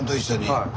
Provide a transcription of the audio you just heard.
はい。